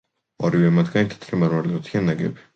ორივე მათგანი თეთრი მარმარილოთია ნაგები.